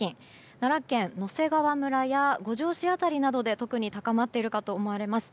奈良県、野迫川村や五條市辺りなどで特に高まっているかと思われます。